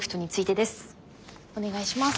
お願いします。